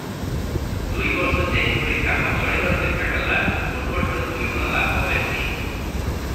ଦୁଇବର୍ଷ ଯେହିପରି କାମ ଚଳିବାରୁ ଦେଖାଗଲା, ପୂର୍ବଠାରୁ ଦୁଇଗୁଣ ଲାଭ ବେଶୀ ।